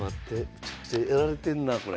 めちゃくちゃやられてんなこれ。